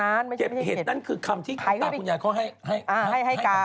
มันไม่ใช่เห็ดหาชีวิตการพุทธรรมนี้แล้วเขาให้การ